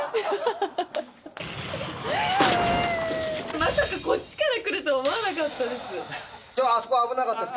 まさかこっちから来ると思わなかったです。